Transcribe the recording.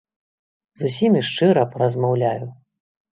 З усімі шчыра паразмаўляю.